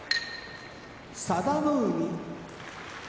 佐田の海